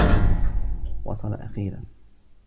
وصل أخيرا.